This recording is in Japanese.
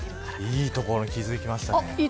いいところに気付きましたね。